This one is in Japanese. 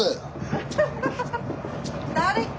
アッハハハハハ！